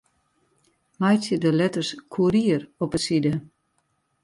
Meitsje de letters Courier op 'e side.